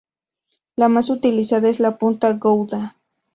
La más utilizada es la punta Gouda.